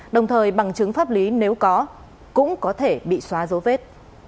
đồng thời bằng chứng pháp lý nếu có cũng có thể bị xóa dấu vết